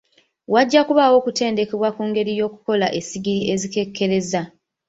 Wajja kubaawo okutendekebwa ku ngeri y'okukola essigiri ezikekkereza.